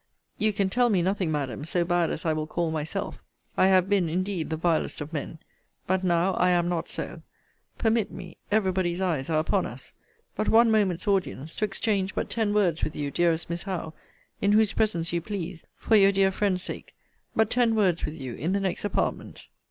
You can tell me nothing, Madam, so bad as I will call myself. I have been, indeed, the vilest of men; but now I am not so. Permit me every body's eyes are upon us! but one moment's audience to exchange but ten words with you, dearest Miss Howe in whose presence you please for your dear friend's sake but ten words with you in the next apartment.